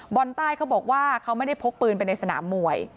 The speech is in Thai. ใต้เขาบอกว่าเขาไม่ได้พกปืนไปในสนามมวย